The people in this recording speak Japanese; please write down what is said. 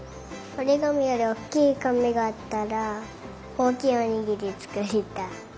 おりがみよりおおきいかみがあったらおおきいおにぎりつくりたい。